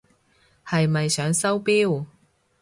係咪想收錶？